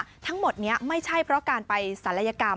อื้อการทำผัวหมดนี้ไม่ใช่เพราะการไปศัลยกรรม